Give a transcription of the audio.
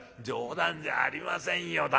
冗談じゃありませんよ